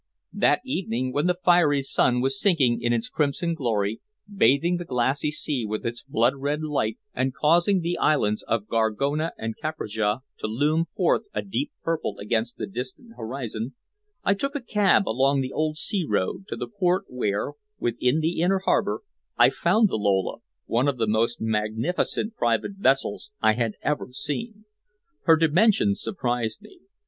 That evening when the fiery sun was sinking in its crimson glory, bathing the glassy sea with its blood red light and causing the islands of Gorgona and Capraja to loom forth a deep purple against the distant horizon, I took a cab along the old sea road to the port where, within the inner harbor, I found the Lola, one of the most magnificent private vessels I had ever seen. Her dimensions surprised me.